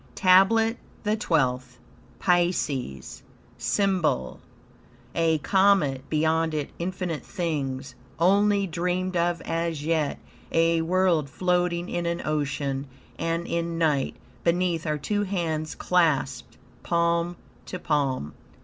TABLET THE TWELFTH Pisces SYMBOL A comet, beyond it infinite things, only dreamed of as yet, a world floating in an ocean and in night, beneath are two hands clasped palm to palm.